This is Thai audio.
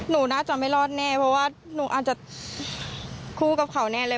หนูน่าจะไม่รอดแน่เพราะว่าหนูอาจจะคู่กับเขาแน่เลย